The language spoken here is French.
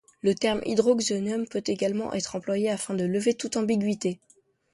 Le terme hydroxonium peut également être employé afin de lever toute ambiguïté.